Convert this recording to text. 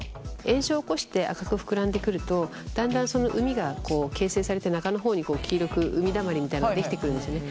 炎症を起こして赤く膨らんでくるとだんだんその膿が形成されて中の方に黄色く膿だまりみたいなのができてくるんですね。